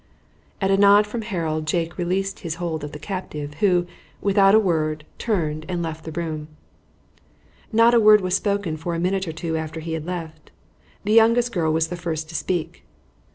At a nod from Harold Jake released his hold of the captive, who, without a word, turned and left the room. Not a word was spoken for a minute or two after he had left. The youngest girl was the first to speak.